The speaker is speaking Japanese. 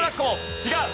違う。